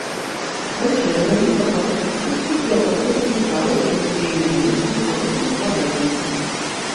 Даследаванні па пластычнасці і апрацоўцы металаў пры ўздзеянні на іх ультрагукавых ваганняў.